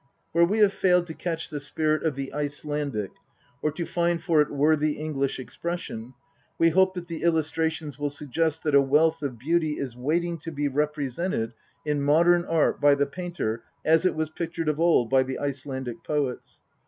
Where we have failed to catch the spirit of the Icelandic or to find for it worthy English expression, we hope that the illustrations will suggest that a wealth of beauty is waiting to be represented in modern art by the painter as it was pictured of old by the Icelandic poets.